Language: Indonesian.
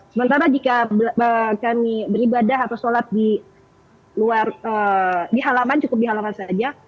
sementara jika kami beribadah atau sholat di luar di halaman cukup di halaman saja